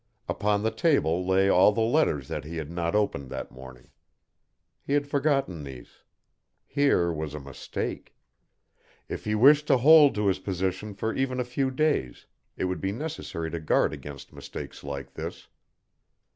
Upon the table lay all the letters that he had not opened that morning. He had forgotten these. Here was a mistake. If he wished to hold to his position for even a few days, it would be necessary to guard against mistakes like this.